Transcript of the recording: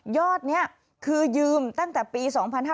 อดนี้คือยืมตั้งแต่ปี๒๕๕๙